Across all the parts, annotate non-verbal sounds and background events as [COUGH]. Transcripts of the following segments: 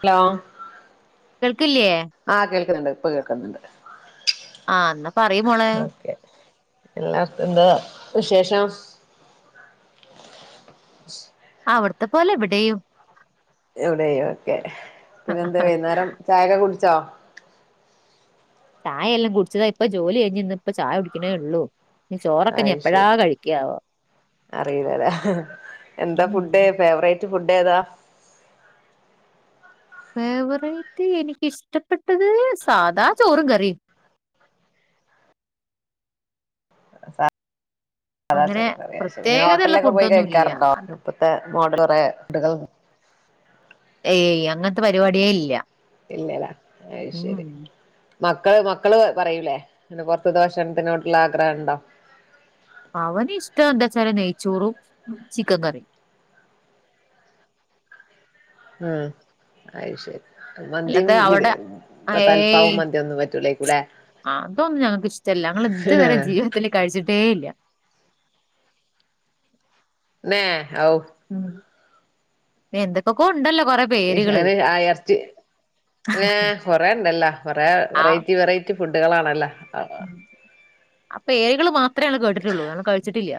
Hello കേൾക്കില്ലേ ആഹ് കേൾക്ക്ന്ന്ണ്ട് ഇപ്പ കേക്ക്ന്ന്ണ്ട് ആഹ് ന്നാ പറെയ് മോളേ ഓക്കെ എല്ലാർക്കും എന്താ വിശേഷം അവ്ട്ത്തെ പോലെ ഇവ്ടേയും ഇവ്ടേയും ഓക്കെ പിന്നെ എന്ത വൈന്നാരം ചായൊക്കെ കുട്ച്ചോ? ചായെ എല്ലം കുട്ച്ച്താ ഇപ്പ ജോലി കയ്ഞ്ഞ് ന്ന് ഇപ്പ ചായുടിക്ക്ണേ ള്ളൂ ഞ്ഞ് ചോറൊക്കെനി എപ്പെഴാ കഴിക്ക്യാവോ അറീലലേ എന്താ ഉം ഫുഡ്ഡ് ഫേവെറേയ്റ്റ് ഫുഡ്ഡേതാ ഫേവറേയ്റ്റ് എനിക്കിഷ്ട്ടപ്പെട്ടെത് സാധാ ചോറും കറിം സാ ധാ അങ്ങനെ ചോറും കറിയൊ അയ്ശെരി പ്രത്യേകതയുള്ള ഹോട്ടൽലൊക്കെ പോയി ഫുഡൊന്നും ഇല്ല കഴിക്കാറ്ണ്ടോ? അത് ഇപ്പത്തെ മോഡൽ കൊറെ ഫുടുകൾ ഏയ് അങ്ങനത്തെ പരിപാടിയേ ഇല്ല ഇല്ലലാ ഉം അഹ്ശരി മക്കള് മക്കള് പറയൂലേ പിന്നെപൊറത്തി ത്തെ ഭഷണത്തിനോടുള്ള ആഗ്രഹണ്ടോ അവന് ഇഷ്ടം എന്താ വെച്ചാല് നെയ്ച്ചോറും ചിക്കൻ കറിം ഉം അഹ് ശരി മന്തിം അല്ലാതെ അവിടെ തൽഫാമു മന്തി ഒന്നും പറ്റൂലേക്കൂല്ലേ ആ അതൊന്നുംഞങ്ങൾക്ക് ഇഷ്ടല്ല ഞങ്ങൾ ഇതുവരെ ജീവിതത്തില് കഴിച്ചിട്ടേല്ല്യ നെ ഔ ഉം എന്തൊക്കൊ കൊണ്ടല്ലോ കൊറെ പേരുകള് അങ്ങനെ അ എർച്ചി എ കൊറെേ ഉണ്ടല്ലോ കൊറെേ വെറൈറ്റി വെറൈറ്റി റ്റിഫുഡുകളാണല്ലോ [UNINTELLIGIBLE] അപെര്കള് മാത്ര ള്ളു കേട്ടിട്ടുള്ളൂ കാരണം കഴിച്ചിട്ടില്ല,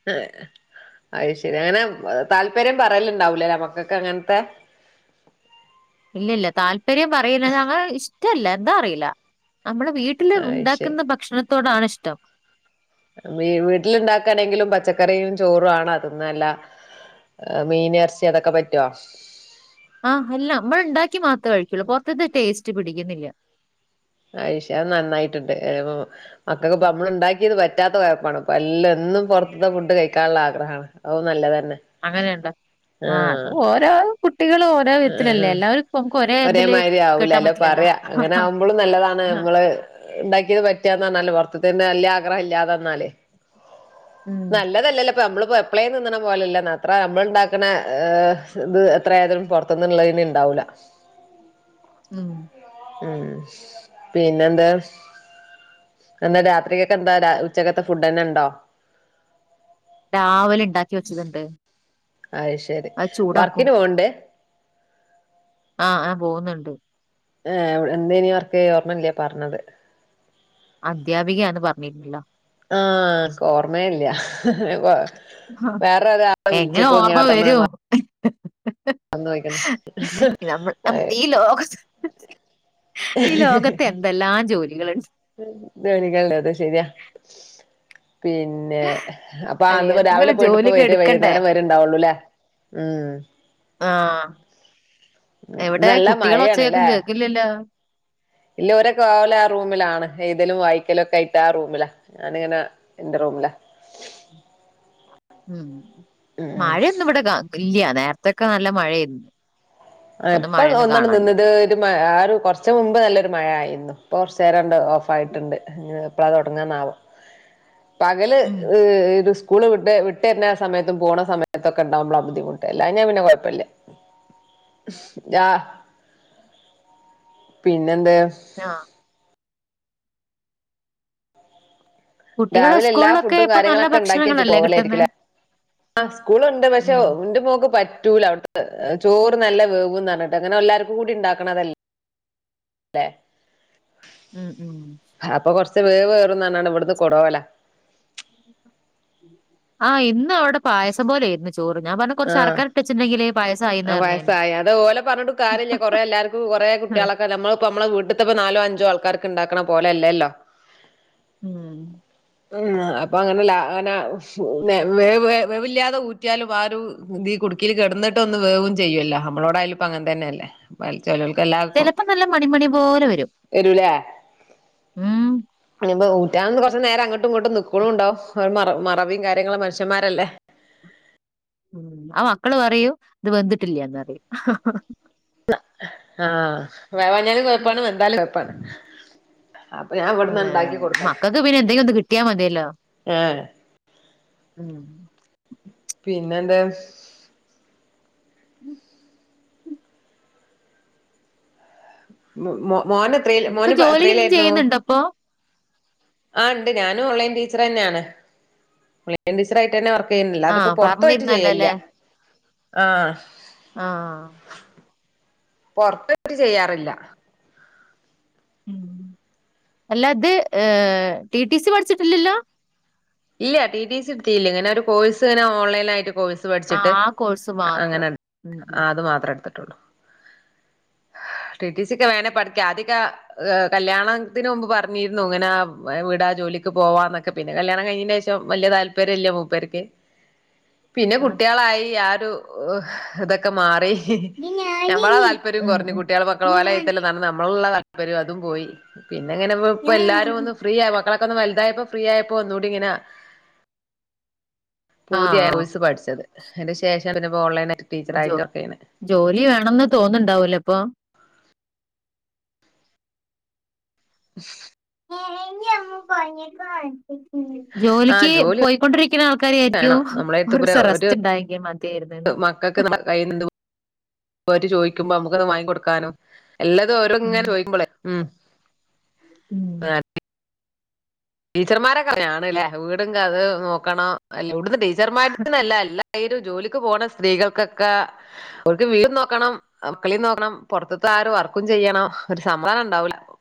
[UNINTELLIGIBLE] അത് ശരി അങ്ങനെ താല്പര്യം പറയലുണ്ടാവുലല്ലേമക്കക്ക് അങ്ങനത്തെ ഇല്ല്യല്ല താല്പര്യം പറയില്ല ങ്ങനെ ഇഷ്ടല്ല എന്താ അറിയില്ല നമ്മടെ വീട്ടില് അയ് ശരി ഉണ്ടാക്കുന്ന ഭക്ഷണത്തോടാണ് ഇഷ്ടം വീട്ടിലുണ്ടാക്കാണെങ്കിലും പച്ചക്കറിയും ചോറും ആണോ തിന്നാല്ലേ മീൻ എറച്ചി അതൊക്കെ പറ്റോ? ആഹ് എല്ല മ്മള്ണ്ടാക്കിയെ മാത്രേ കഴിക്കുള്ളൂ പൊറത്തത് ടേസ്റ്റ് പിടിക്കുന്നില്ല അത് ശ നന്നായിട്ടുണ്ട് മക്ക ക്ക്ഇപ്പ നമ്മള് ഇണ്ടാക്കിയത് പറ്റ പറ്റാത്ത കൊഴപ്പാണ് ഇപ്പ എല്ലാം എന്നും പുറത്തത്തെ ഫുഡ് കഴിക്കാള്ള ആഗ്രഹാണ് അതും നല്ലതന്നെ അങ്ങനെണ്ടോ ആ അത് ആഹ് ഓരോ കുട്ടികളും ഓരോ വിധത്തിലല്ലേ ആഹ് എല്ലാവരും ഒരേമാതിരി ആവൂല അല്ലോ പറയാ അങ്ങനെ ആവുമ്പോളും നല്ലതാണ് ആ. നമ്മള് ഉണ്ടാക്കിയത് പറ്റാന്ന് റഞ്ഞാലേ പൊറത്ത് തേ തിന് വല്ല്യാ ആഗ്രഹല്ല്യാന്നറഞ്ഞാല് ഉം നല്ലതല്ലല്ലോ നമ്മളിപ്പോ എപ്പളെ തിന്ന് ണ പോലെല്ല ന്ന അത്രേനമ്മള്‌ ഇണ്ടാ ക്ക്ണ ഇത് എത്രയാലും പൊറ ത്തുന്നുള്ള തിന് ഉണ്ടാവുല ഉം ഉം പിന്നെന്താ എന്നന്താ രാത്രിക്കൊക്കെന്താ ഉച്ചക്കത്തെ ഫുഡ്ന്നെ ഉണ്ടോ രാവിലെ ഉണ്ടാക്കി വെച്ചതുണ്ട് അ ത്ശരി അത് ചൂടാക്കും വർക്കിന് പോവ്ണ്ട് ആഹ് ആ പോകുന്നുണ്ട് ആ എന്തേനി വർക്ക് ഓർമ്മല്ല്യ പറഞ്ഞത് അദ്ധ്യാപികന്ന് പറഞ്ഞിില്ലല്ലോ ആഹ് ക് ഓർമേല്ല്യ എങ്ങനെ ഓർമ്മ വരും മറന്ന് പോയിക്ക്ണ് [UNINTELLIGIBLE] ഈ ലോകത്തെ എന്തെല്ലാം ജോലികള്ണ്ട് ജോലികള്ണ്ട് അത് ശരിയാ പിന്നെ പിന്നെ അപ്പൊ അല്ലെ ആന്ന് രാവിലെ എന്തെങ്കിലും പോയിട്ട് ഇപ്പ ജോലിയൊക്കെ വ എടുക്കണ്ടേ വൈകുന്നേരം വരെണ്ടാവുള്ളു ല്ലേ ഉം ആഹ് എവിടെ നല്ല കുട്ടികളെച്ചയൊക്കും മഴയാണ്ല്ലേ കേൾക്കില്ലല്ലോ ഇല്ല ഒരൊക്കെ ഓലെആ റൂമിലണ് എഴുതലും വായിക്കലും ഒക്കെ ആയിട്ട് ആ റൂമിലാ ഞാനിങ്ങനെ എന്റെ റൂമില ഉം ഉം മഴയൊന്നും ഇവിടെ ഇല്ല നേരത്തൊക്കെ നല്ല മഴയേര്ന്ന് ആ ഇപ്പം ഒന്നാണ് നിന്നത് മ ആ ഒരു കുറച്ചു മുമ്പ് നല്ലൊരു മഴ ആയിരുന്നു. ഇപ്പം കുറച്ച് രണ്ട് ഓഫ് ഉം. ആയിട്ടുണ്ട് ഇനി എപ്പള തുടങ്ങന്നാവം പകല് ഉം. ഹ്ഏത് സ് സ്കൂള് വി് വിട്ടരുന്ന സമയത്തും പോണ സമയത്തും ഒക്കെണ്ടാവുമ്പോള ബുദ്ധിമുട്ട് അല്ല ഞാൻ പിന്നെ കുഴപ്പല്ല. യാ പിന്നെന്താ ആഹ കുട്ടികളെ രാവിലെ എല്ല സ്കൂളിലൊക്കെ ഫുഡും ഇപ്പൊ നല്ല കാര്യങ്ങളക്കെ ഉണ്ടാക്കി വെച്ചിട്ട് ഭക്ഷണങ്ങളല്ലേ കിട്ടുന്നത് പോവലായിരിക്കലേ ആ് സ്കൂളുണ്ട് പക്ഷേ ഉം. എന്റെ മോക്ക് പറ്റൂല അവിടെ ചോറ് നല്ല വേവുന്ന് പറഞ്ഞട്ട് അങ്ങനെ എല്ലാവർക്കും കൂടി ഉണ്ടാക്കണതല്ലേ അ ഉം ഉം അപ്പൊ കൊറച്ച് വേവ്റുംന്നാറ്ഞാണ്ട് ഇവിടുന്ന് കൊണ്ടവല ആഹ് ഇന്ന് അവിടൊ പായസം പേലെയിരുന്നു ചോറ് ഞാൻ പറഞ് കൊറച്ച് ആഹ് അറക്കറിട്ട വച്ചിണ്ടെങ്കില് ആ വയസ്സായി അത് ഓലെ പറഞ്ഞിട്ട് കാര്യില്ല കൊറെേ എല്ലാവർക്കും കുറേ കുട്ടികളൊക്കെ നമ്മൾ ഇപ്പ നമ്മള് വീട്ടത്തെപ്പ നാലോ അഞ്ചോ ആൾക്കാർക്ക് ഉണ്ടാക്കണ പോലെല്ലല്ലോ. ഉം ഉ അപ്പൊ അങ്ങനെല്ല അങ്ങനെ വേവ് വേവില്ലാതെ ഊറ്റ് കുറ്റിയാലും ആ ഒരു ഈ കുടുക്കിൽ കിടന്നിട്ടൊന്ന് വേവും ചെയ്യൂല്ലോ നമ്മളോടായാലുംപ്പ അങ്ങനെ തന്നെയ അല്ലേ. ചെലർക്ക് ല്ലാർക്കും ചിലപ്പോ നല്ല മണിമണി പോലെ വരും വരുല ഉം ഊറ്റാന്ന് കുറച്ച് നേരംങ്ങോട്ടും ഇങ്ങോട്ടും നിക്കുന്നു ഉണ്ടാവും. ഒരു മറ മറവികാര്യങ്ങളും മനുഷ്യന്മാരല്ലേ. ഉ ആ മക്കള് പറയൂ ഇത് വന്തിട്ടില്ലന്നറി ആഹ വേവാഞാലും കൊഴപ്പാണ് വെന്താലും കുഴപ്പാണ്. അതെ മക്കൾക്ക് പിന്നെ എന്തെങ്കിലും ഒന്ന് കിട്ടിയാ മതിയല്ലോ ഏഹ് ഉ പിന്നെന്താ [INAUDIBLE] മു മൊ മോന് എത്രീ ഇപ്പൊ മോന്പ ജോലി ഇന്നും എത്രീലെര്ന്നു? ചെയ്യുന്നുണ്ടോ അപ്പൊ ആഹ് ഇണ്ട് ഞാനും ഓൺലൈൻ ടീച്ചറന്നേണ് ഓൺലൈൻ ടീച്ചറായിട്ടന്നെ വർ ർക്കഴ്ണില്ല ആഹ് പൊർത്തോയിട്ട് ചെയ്യലില്ല പറഞ്ഞിരുന്നല്ലോല്ലേ ആഹ് ആഹ് പൊർത്തോയിട്ട് ചെയ്യാറില്ല ഉം അല്ല ഇത്. ഏഹ് ട്ടീ ട്ടീ സി പഠിച്ചിട്ടില്ലല്ലൊ? ഇല്ല ട്ടീ ട്ടീസി ഇട്ത്തീല്ല ഇങ്ങന ഒര് കോഴ്സ് ഇങ്ങന ഓൺലൈനായിട്ട് കോയ്സ് ആഹ് പഠ്ച്ച്ട്ട് ആ കോഴ്സ് മാത്രം അങ്ങനെ. ഉം ഉം ആഹ് അത് മാത്രെ എട്ത്തിട്ടൊള്ളു ട്ടീ ട്ടീ സിക്കെ വേണെ പഠിക്ക ആദ്യൊക്കെ ഏഹ് കല്യാണത്തിന് മുമ്പ് പറഞ്ഞീര്ന്നു ഇങ്ങന വിടാ ജോലിക്ക് പോവാന്നൊക്കെ പിന്നെ കല്യാണം കഴിഞ്ഞീ ശേഷം വല്യ താല്പര്യംല്ല മൂപ്പർക്ക്. പിന്നെ കുട്ടീളായി ആഹ് ഒരു ഓഹ് ഇത മാറി ആഹ് നമ്മളെ താല്പര്യം ഉം കൊർഞ്ഞു ഉം കുട്ടീളെ മക്കളു ഓലെ ബയ്ത്തെല്ല നടന്ന് നമ്മളോട്ള്ള പ്പരു അതും പോയി പിന്നെ ഇങ്ങനെ ഇപ്പ എല്ലാരും ഒന്ന് ഫ്രീയ ആഹ് മക്കളൊക്ക ഒന്ന് വൽതായപ്പൊ ഫ്രീ ആയപ്പൊ ഒന്നൂടി ഇങ്ങന ആഹ് ആഹ് പൂതിയകോഴസ് പഠ്ച്ചത്. അതിന്റെ ശേഷം പിന്നപ്പൊ ഓൺലൈൻായിറ്റ് ടീച്ചർ ജോ ആയിട്ട് വർക്കയ്യ്ണെ ജോലി വേണണംന്ന് തോന്ന്ണ്ടാവുലെ ഇപ്പൊ? [INAUDIBLE] ആ ജോലിക്ക് ജോലി പൊയ്ക്കൊണ്ടിരി ക്ക്ണആൾക്കാര് വിയാരിക്കും നമ്മളെ ഒരൂസ്സം റസ്സ്റ്റ് ഇണ്ടായങ്കി മതിയാര്ന്ന് മക്കക്ക് നമ്മട കയ്യിന്ന് ന്ത് ഓര് ചോയിക്കുമ്പം നമുക്കത് വാങ്ങി കൊട്ക്കാനും എല്ലതും ഓരോട് ഉം. ഇങ്ങന ചോയിക്കുമ്പളെ ഉം ഉം. [UNINTELLIGIBLE] ടീച്ചർമാരൊക്കന്നെ ആണ്ലെ വീട് കാ നോക്കണം അല്ല ഇവിട്ന്ന് ടീച്ചർമാര്ന്നല്ല എല്ല രും ജോലിക്ക് പോണ സ്ത്രീകൾക്കൊക്ക അവർക്ക് വീടും നോക്കണം മക്കളെ നോക്കണം പൊറ്ത്ത്ത ആഹ് ഒര് വർക്കും ചെയ്യണം ഒരു സമതാ നം ഉണ്ടാവൂല പ്പം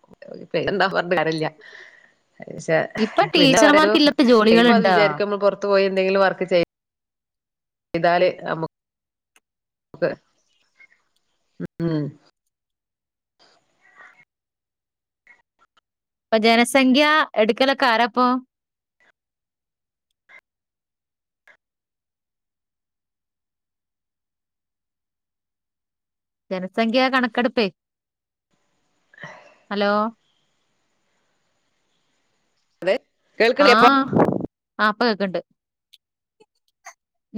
പെരണ്ടാ പറഞ്ഞിട്ട് കാര്യല്ല പഷെ ഇപ്പൊ പിന്ന പറിയാ ഒരു ടീച്ചർമാർക്ക് ഇല്ലാത്ത ഇപ്പ അത് ജോലികളുണ്ടോ വിജാരിക്കും നമ്മള് പൊറ്ത്ത് പോയി എന്തെങ്കിലും വർക്ക് ചെ താല് ഞമ്മക് ക്കെ ഉം പ്പ ജനസംഖ്യ എട്ക്കലൊക്ക ആര പ്പം ജനസംഖ്യ കണക്കെട്പ്പെ ഹലോ [UNINTELLIGIBLE] ഇപ്പൊ ആഹ് ആഹ് ഇപ്പ കേക്ക്ണ്ട്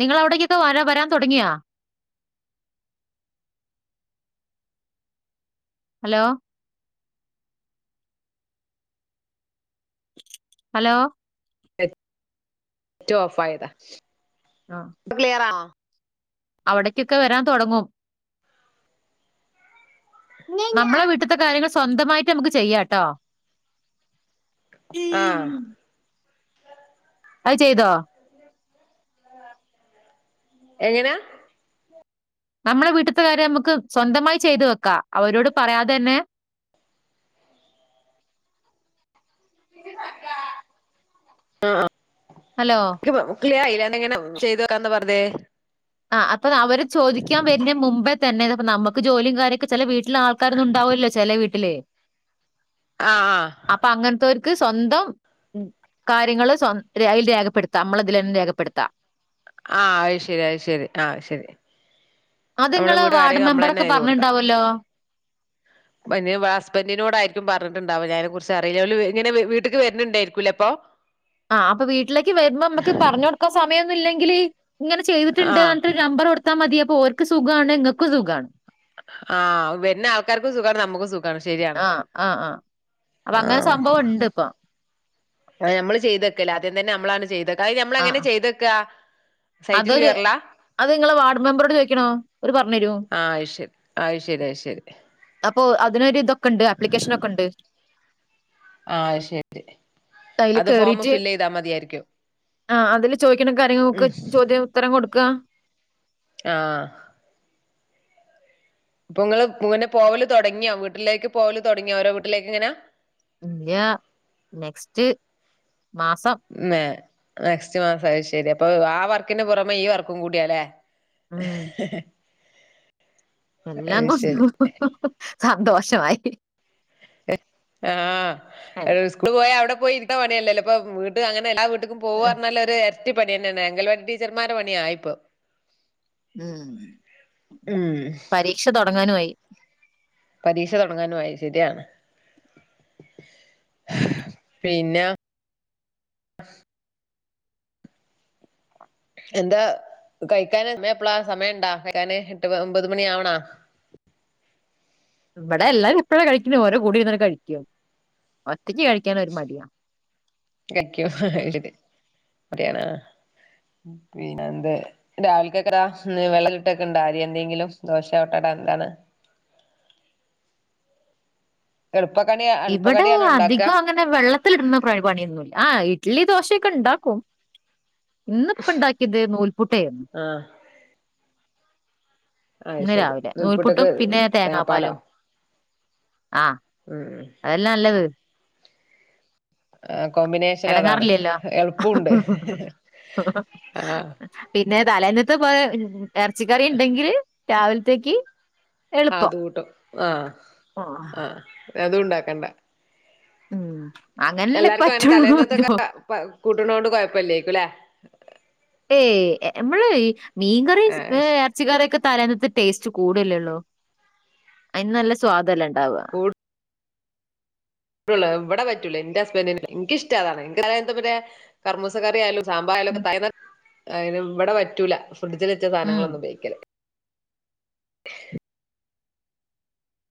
നിങ്ങളവിടെക്ക് ക്കൊ വരാ വരാൻ തൊടങ്ങ്യൊ ഹലോ ഹലോ നെറ്റ് റ്റ് ഓഫായ താ ആഹ് ഇപ്പ ക്ളിയറാണൊ അവിടയ്ക്ക് ക്കെ വരാൻ തൊടങ്ങും നമ്മളെ വീട്ട്ത്തെ കാര്യങ്ങള് സ്വന്തമായിട്ട് ഞമ്മക്ക് ചെയ്യാട്ടൊ ആഹ് അഹ് ചെയ്തോ എങ്ങനാ നമ്മളെ വീട്ട്ത്തെ കാര്യം ഞമ്മക്ക് സ്വന്തമായി ചെയ്ത് വെക്കാ. അവരോട് പറയാതെന്നെ ആഹ് ഹലോ ക്ക് ക്ലിയറായ്ല എന്ത എങ്ങന ചെയ്ത് വെക്കാന്ന പറ്ഞ്ഞെ ആഹ് അപ്പത് അവര് ചോദിക്കാൻ വര്നെ മുമ്പെ തന്നെ ത്പ്പം നമ്മക്ക് ജോലീം കാര്യക്കെ ചെല വീ ട്ട്‌ല് ആൾക്കാരൊന്നുംണ്ടാവൂല ല്ലേ ചെലേ വീട്ടില് ആഹ് ആഹ് അപ്പം അങ്ങൻത്തോർക്ക് സ്വന്തം കാര്യങ്ങൾ സ്വം രേ അയ്ല് രേഖപ്പെടുത്താം മ്മളതിലന്നെ രേഖപ്പെടുത്താം ആ അഹ്ശരി അഹ്ശരി ആ ശെരി അത് നമ്മളെ ഇങ്ങള് വീട്കാരെ വാർഡ് നമ്മളെന്നെ മെമ്പറൊക്കെ എഴ്തി കൊടുക്കാ പറഞ്ഞിട്ടുണ്ടാവുമല്ലോ. പ്പന് വാ ഹസ്ബന്ഡിനോടായിരിക്കും പറഞ്ഞിട്ടുണ്ടാവലെ അയ്നെ കുറിച്ചറിണോല് ഇങ്ങനെ വ് വീട്ട്ക്ക് വര്ന് ണ്ടേരിക്കൂലേ അപ്പം ആഹ് അപ്പം വീട്ടിലേക്ക് വരുമ്പം മ്മക്ക് പറഞ്ഞൊടുക്കാൻ സമയൊന്നുല്ലെങ്കില് ഇങ്ങനെ ചെയ്ത്ട്ട്ണ്ട് ആഹ് ന്നറ്ഞ്ഞ്ട്ട് ര് നമ്പറൊടുത്താ മതി അപ്പോ ഓര്ക്ക് സുഖാണ് ങ്ങക്കും സുഖാണ് ആഹ് വരുന്ന ആൾക്കാർക്കും സുഖാണ് നമ്മക്കും സുഖാണ് ശരിയാണ് ആഹ് അ ആഹ് അപ്പം അങ്ങനെ സംഭവണ്ട് അ നമ്മള് ചെയ്തക്കല് ആദ്യം തന്നെ നമ്മളാണ് ചെയ്തക്ക അഹ അയ്ന് ഞമ്മളങ്ങനെ ആഹ് ചെയ്തക്കാ അതൊരു സൈറ്റില് കേറലാ അത് നിങ്ങടെ വാർഡ് മെമ്പറോട് ചോദിക്കണം ഓരു പറഞ്ഞ് തരും ആഹ് അത് ശരി അത് ശരി അത് ശരി അപ്പൊ അതിനൊരു ഇതൊക്കെ ഉണ്ട് ആപ്ലിക്കേഷനൊക്കെ ഉണ്ട് ആഹ് അത് ശരി അപ്പോ അതിൽ അത് ഫോം കേറീട്ട് ഫില്ല് ചെയ്താ മതിയായിരിക്കും ആ അതില് ചോദിക്കണ കാര്യങ്ങൾക്ക് ഒക്കെ ഉം ചോ പുതിയ ഉത്തരം കൊടുക്കുക ആഹ് ഇപ്പൊ ഇങ്ങള് ഇങ്ങനെ പോവല് തൊടങ്ങിയോ വീട്ടിലേക്ക് പോവല് തൊടങ്ങിയോ ഓരോ വീട്ടിലേക്കിങ്ങനെ ഇല്ല നെക്സ്റ്റ് മാസം നെക്സ്റ്റ് മാസം അത് ശരി അപ്പൊ ആ വർക്കിന്റെ പുറമെ ഈ വർക്കും കൂടിയാല്ലേ [INAUDIBLE] ഉം എല്ലാം അത് ശരി കൊണ്ടും സന്തോഷമായി അല്ല, ആഹ് സ്കൂള് പോയാ അവിടെ പോയി ഇരുന്ന പണിയല്ലല്ലോ ഇപ്പോ വീട്ട് അങ്ങനെ എല്ലാ വീ ട്ടില് പോവാ പറഞ്ഞാല് ഒര് എരട്ടിപ്പണി തന്നെയാണ് അങ്കൽവാടി ടീച്ചർമാരുടെ പണിയായിപ്പൊ ഉം പരീക്ഷ തുടങ്ങാനുമായി പരീക്ഷ തുടങ്ങാനും ആയി ശരിയാണ് പിന്നെ എന്താ കഴിക്കാന് എപ്പളാ സമയണ്ടാ കഴിക്കാന് എട്ട് ഒമ്പത് മണി ആവണാ ഇവിടെ എല്ലാരും എപ്പഴാ കഴിക്കുന്നേ ഓരുടെ കൂടെ ഇരുന്ന് കഴിക്കും ഒറ്റയ്ക്ക് കഴിക്കാൻ ഒരു മടിയാ കഴിക്കും ഇതിൽ മടിയാണ് പിന്നെന്ത് രാവിലക്കേക്കെടാ ഇന്ന് വെള്ളത്തിൽ ഇട്ട് വെക്കുണ്ടാ അരി എന്തെങ്കിലും ദോശയോ ഓട്ടെടാ എന്താണ് എളുപ്പക്കണി എളുപ്പ കടിയാണോ ഉണ്ടാക്കുക അധികം അങ്ങനെ ഇവിടെ വെള്ളത്തിലിടുന്ന പണിയൊന്നുല്ല ആ ഇഡ്ലി ദോശയൊക്കെ ഉണ്ടാക്കും ഇന്നിപ്പൊ ഉണ്ടാക്കിയത് നൂൽപുട്ട് ആയിരുന്നു ആഹ് അത് ഇന്ന് ശരി രാവിലെ നൂൽപ്പുട്ടക്ക് നൂൽപുട്ടും പിന്നെ തേങ്ങാപ്പാലോ തേങ്ങാപ്പാലും ആഹ് ഉം അതല്ലെ നല്ലത് ആഹ് കോമ്പിനേഷൻ അതാണ് എടങ്ങേറില്ലല്ലോ എളുപ്പുണ്ട് ആഹ് പിന്നെ തലേന്നത്തെ കുറേ എറച്ചിക്കറി ഉണ്ടെങ്കില് രാവിലത്തേക്ക് ആഹ് എളുപ്പം അത് കൂട്ടും ആ ആ അതും ഉണ്ടാക്കണ്ട ഉം അങ്ങനെല്ലെ എല്ലാർക്കും അങ്ങനെ തലേന്നത്തൊക്കെ പറ്റൂള്ളൂല്ലോ കൂട്ടണോണ്ട് കൊഴപ്പം ഇല്ലാരിക്കുമല്ലേ ഏയ് നമ്മള് മീൻകറി ആഹ് ഏ എ ശരി റച്ചി കറിയൊക്കെ തലേന്നത്തെ ടേസ്റ്റ് കൂടവല്ലേ ഉള്ളൂ അതിന് നല്ല സ്വാദല്ലെ ഉണ്ടാവാ കൂ ടൂള്ളൂ ഇവിടെ പറ്റൂല എന്റെ ഹസ്ബൻഡിന് എനിക്കിഷ്ടം അതാണ് [UNINTELLIGIBLE] കർമൂസ കറി ആയാലും സാമ്പാറായാലൊക്കെ ഉം തലേ അ ഇവിടെ പറ്റൂല ഫ്രിഡ്ജിൽ വെച്ച ഉം സാധനങ്ങളൊന്നും ഉപയോഗിക്കല്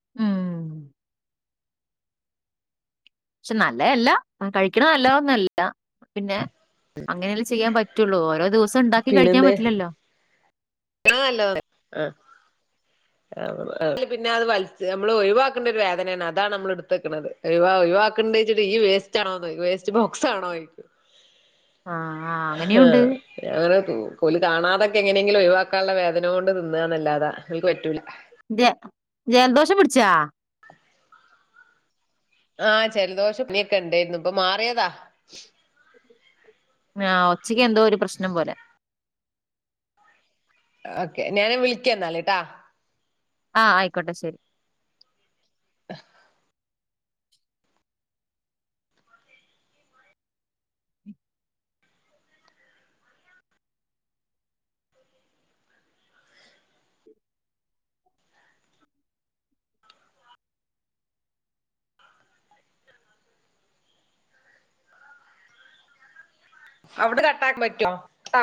ഉം പക്ഷെ നല്ലതല്ല അങ്ങനെ കഴിക്കണ നല്ലതൊന്നുമല്ല പിന്നെ അങ്ങനല്ലേ ചെയ്യാൻ പറ്റൂള്ളൂ ഓരോ ദിവസവും ഉണ്ടാക്കി കഴിക്കാൻ പറ്റില്ലല്ലോ അതാ നല്ലത് ആഹ് പിന്നെ അത് വല നമ്മള് ഒഴിവാക്കേണ്ട ഒരു വേദനയാണ് അതാണ് നമ്മൾ എടുത്ത്‌ വക്കണത് ഒഴിവാ ഒഴിവാക്കിണ്ട് വെച്ചിട്ട് ഈ വേ സ്റ്റാണോ അത് വേസ്റ്റ് ബോക്സ് ആണോ ചോദിക്കും ആഹ് ആഹ് അങ്ങനെയുണ്ട് ഞാനങ്ങനെ ഓല് കാണാതൊക്കെ എങ്ങനെങ്കിലും ഒഴിവാക്കാനുള്ള വേദന കൊണ്ട് തിന്നാന്നല്ലാതെ അവനിക്ക് പറ്റൂല ജ ജലദോഷം പിടിച്ചാ ആഹ് ജൽദോഷം പനിക്കെ ഇണ്ടാര്ന്നു ഇപ്പൊ മാറിയതാ ആഹ് ഒച്ചക്ക് എന്തോ ഒരു പ്രശ്നം പോലെ ഓക്കെ ഞാൻ വിളിക്കാന്നാല്ട്ടാ ആഹ് ആയിക്കോട്ടെ ശെരി അവ്ടെ കട്ടാക്കാൻ പറ്റോ?